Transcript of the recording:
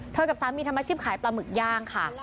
กับสามีทำอาชีพขายปลาหมึกย่างค่ะ